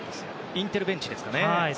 インテルベンチですかね。